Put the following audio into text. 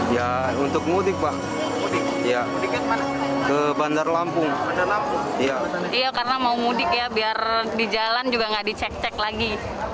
ya untuk mudik bahwa ke bandar lampung karena mau mudik ya biar di jalan juga nggak dicek cek lagi